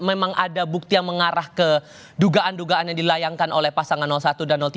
memang ada bukti yang mengarah ke dugaan dugaan yang dilayangkan oleh pasangan satu dan tiga